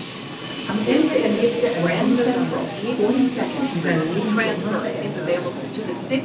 Am Ende erlebt er eine wundersame Begegnung, die sein Leben für immer verändert.